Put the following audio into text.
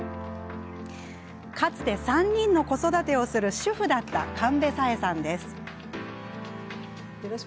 かつて、３人の子育てをする主婦だった神戸さえさんです。